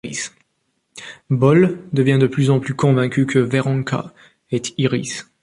Boles devient de plus en plus convaincu que Veronkha est Iris.